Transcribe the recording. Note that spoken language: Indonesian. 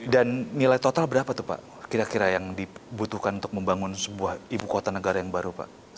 dan nilai total berapa itu pak kira kira yang dibutuhkan untuk membangun sebuah ibu kota negara yang baru pak